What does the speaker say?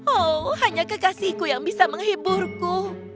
oh hanya kekasihku yang bisa menghiburku